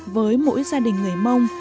với mỗi gia đình người mông